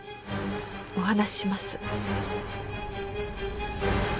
お話しします。